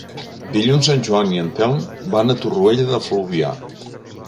Dilluns en Joan i en Telm van a Torroella de Fluvià.